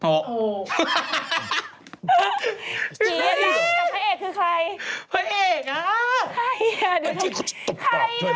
ผู้เอกคือใครผู้เอกอ่ะ